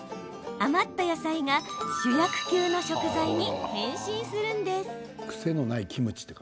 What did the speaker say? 余った野菜が主役級の食材に変身するんです。